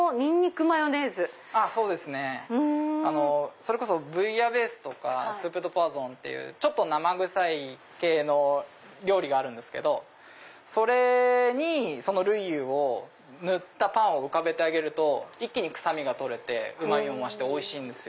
それこそブイヤベースとかスープ・ド・ポワソンっていうちょっと生臭い系の料理があるんですけどそれにそのルイユを塗ったパンを浮かべてあげると一気に臭みが取れてうま味も増しておいしいんです。